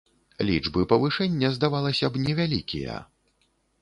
Лічбы павышэння, здавалася б, невялікія.